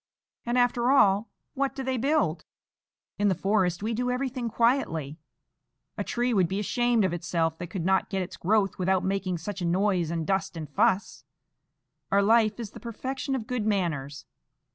And, after all, what do they build? In the forest we do everything so quietly. A tree would be ashamed of itself that could not get its growth without making such a noise and dust and fuss. Our life is the perfection of good manners.